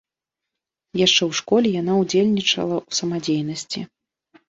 Яшчэ ў школе яна ўдзельнічала ў самадзейнасці.